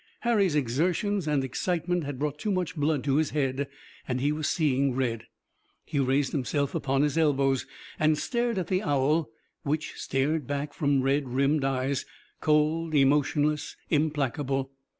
Harry's exertions and excitement had brought too much blood to his head and he was seeing red. He raised himself upon his elbows and stared at the owl which stared back from red rimmed eyes, cold, emotionless, implacable.